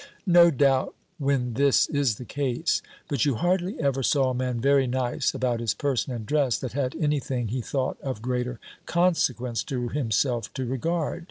"No doubt, when this is the case. But you hardly ever saw a man very nice about his person and dress, that had any thing he thought of greater consequence to himself to regard.